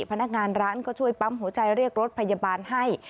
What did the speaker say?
พนักงานร้านก็ช่วยปั๊มหัวใจเรียกรถพยาบาลให้